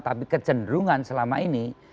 tapi kecenderungan selama ini